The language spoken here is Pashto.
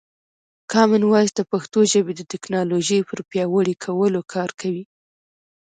کامن وایس د پښتو ژبې د ټکنالوژۍ پر پیاوړي کولو کار کوي.